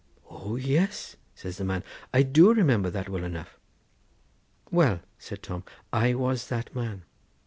'O yes,' says the man; 'I do remember that well enough.' 'Well,' said Tom, 'I was that man.